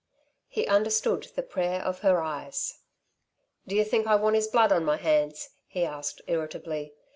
He understood the prayer of her eyes. "D'you think I want his blood on my hands?" he asked irritably.